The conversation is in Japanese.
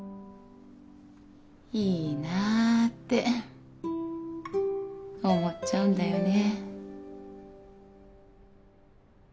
いいなぁって思っちゃうんだよね。